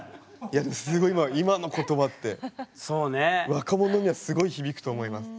すごい今の言葉って若者にはすごい響くと思います。